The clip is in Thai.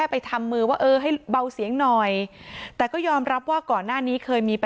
จนใดเจ้าของร้านเบียร์ยิงใส่หลายนัดเลยค่ะ